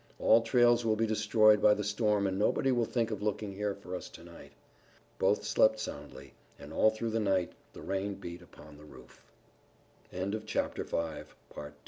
All trails will be destroyed by the storm and nobody will think of looking here for us to night." Both soon slept soundly, and all through the night the rain beat upon the roof. CHAPTER VI. A BOLD ATTACK Dick was the fir